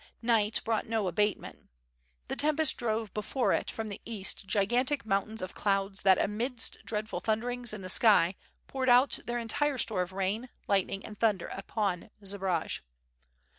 Night brought no abatement. The tempest drove before it from the east gi gantic mountains of clouds that amidst dreadful thunderings in the sky poured their entire store of rain, lightning and thunder upon Zbaraj.